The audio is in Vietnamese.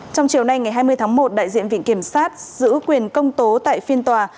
trong chiều nay ngày hai mươi tháng một đại diện viện kiểm sát giữ quyền công tố tại phiên tòa